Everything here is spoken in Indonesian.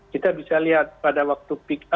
kita bisa lihat pada waktu